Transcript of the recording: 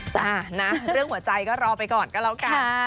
จ้ะนะเรื่องหัวใจก็รอไปก่อนก็แล้วกัน